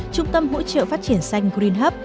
trung tâm hỗ trợ phát triển xanh green hub